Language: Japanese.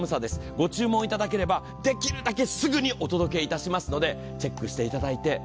ご注文いただければできるだけすぐにお届けいたしますのでチェックしていただいて。